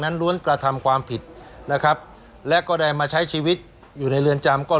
ล้วนกระทำความผิดนะครับและก็ได้มาใช้ชีวิตอยู่ในเรือนจำก็